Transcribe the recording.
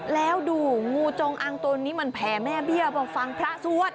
แล้วดูงูจงอังตัวนี้มันแผ่แม่เบี้ยมาฟังพระสวด